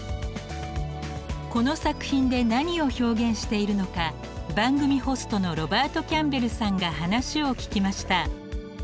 この作品で何を表現しているのか番組ホストのロバート・キャンベルさんが話を聞きました。